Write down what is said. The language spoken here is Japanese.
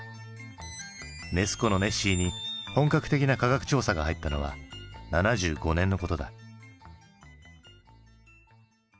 ネス湖のネッシーに本格的な科学調査が入ったのは７５年のことだ。